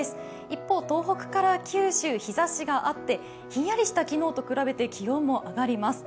一方、東北から九州日ざしがあってひんやりした昨日と比べて気温も上がります。